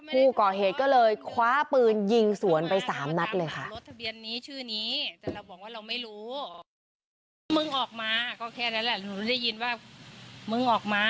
ผู้ก่อเหตุก็เลยคว้าปืนยิงสวนไป๓นัดเลยค่ะ